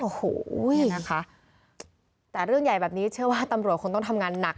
โอ้โหนะคะแต่เรื่องใหญ่แบบนี้เชื่อว่าตำรวจคงต้องทำงานหนัก